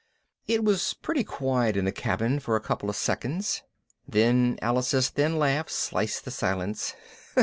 It was pretty quiet in the cabin for a couple of seconds. Then Alice's thin laugh sliced the silence.